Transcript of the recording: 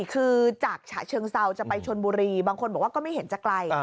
คือจากฉะเชิงเซาจะไปชนบุรีบางคนบอกว่าก็ไม่เห็นจะไกล